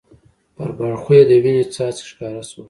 پر باړخو یې د وینې څاڅکي ښکاره شول.